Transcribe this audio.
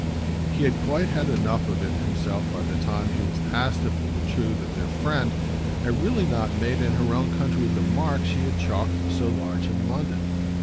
He had quite had enough of it himself by the time he was asked if it were true that their friend had really not made in her own country the mark she had chalked so large in London.